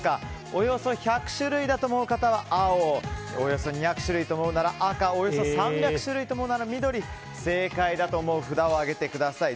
およそ１００種類だと思う方は青およそ２００種類と思うなら赤およそ３００種類と思うなら緑正解だと思う札を上げてください。